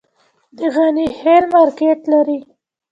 د غني خیل مارکیټ لري